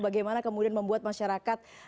bagaimana kemudian membuat masyarakat